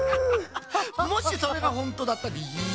もしそれがほんとだったらい